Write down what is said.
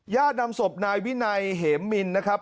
นำศพนายวินัยเหมมินนะครับ